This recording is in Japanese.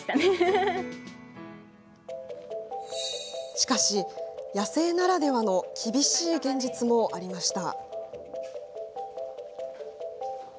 しかし、野生ならではの厳しい現実もありました。